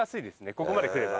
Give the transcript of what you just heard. ここまでくれば。